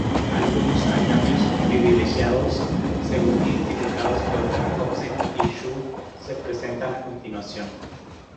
Algunos andamios "privilegiados", según lo identificado por Jacobsen y Zhou, se presentan a continuación.